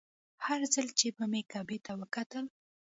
هر ځل چې به مې کعبې ته وکتل.